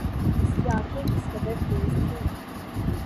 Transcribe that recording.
اس کی آنکھیں کس قدر تیز تھیں